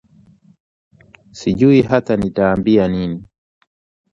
Sijui hata nitaambia nini